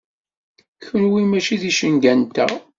Kenwi mačči d icenga-nteɣ.